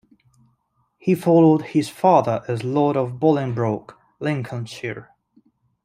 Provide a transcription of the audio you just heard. He followed his father as Lord of Bolingbroke, Lincolnshire.